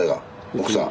奥さん？